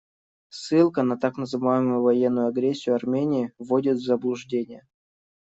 Ссылка на так называемую военную агрессию Армении вводит в заблуждение.